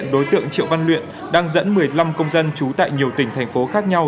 đối tượng triệu văn luyện đang dẫn một mươi năm công dân trú tại nhiều tỉnh thành phố khác nhau